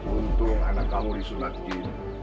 untung anak kamu disunat jin